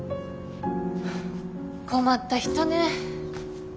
困った人ね。